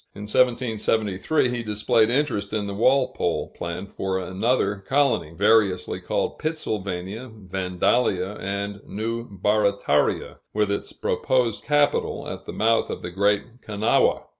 In 1773, he displayed interest in the Walpole plan for another colony, variously called Pittsylvania, Vandalia, and New Barataria with its proposed capital at the mouth of the Great Kanawha.